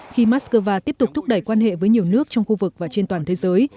khi moscow tiếp tục thúc đẩy quan hệ với nhiều nước trong khu vực và trên toàn thế giới